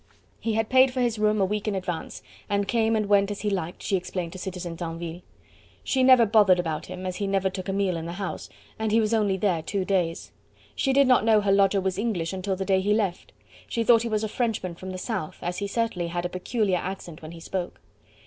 He had paid for his room, a week in advance, and came and went as he liked, she explained to Citizen Tinville. She never bothered about him, as he never took a meal in the house, and he was only there two days. She did not know her lodger was English until the day he left. She thought he was a Frenchman from the South, as he certainly had a peculiar accent when he spoke.